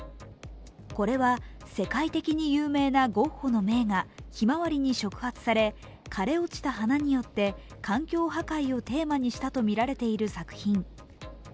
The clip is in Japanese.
これは世界的に有名なゴッホの名画「ひまわり」に触発され、枯れ落ちた花によって環境破壊をテーマにしたとみられている作品。